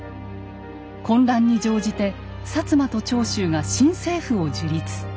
混乱に乗じて薩摩と長州が新政府を樹立。